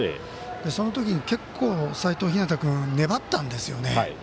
その時に結構齋藤陽君、粘ったんですよね。